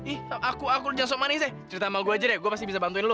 ih aku aku jangan sok manis ya cerita sama gue aja deh gue pasti bisa bantuin lo